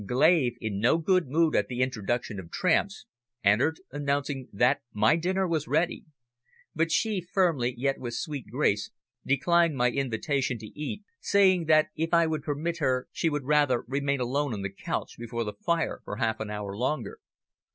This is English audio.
Glave, in no good mood at the introduction of tramps, entered, announcing that my dinner was ready; but she firmly, yet with sweet grace, declined my invitation to eat, saying that if I would permit her she would rather remain alone on the couch before the fire for half an hour longer.